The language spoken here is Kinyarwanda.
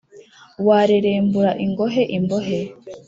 warerembura ingohe imbohe